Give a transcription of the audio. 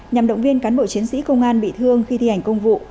nhằm động viên cán bộ chiến sĩ công an bị thương khi thi hành công vụ